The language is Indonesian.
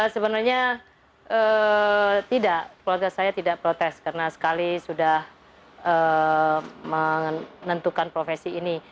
sebenarnya tidak keluarga saya tidak protes karena sekali sudah menentukan profesi ini